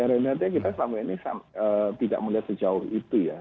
artinya kita selama ini tidak melihat sejauh itu ya